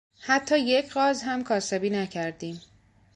حتی یک غاز هم کاسبی نکردیم!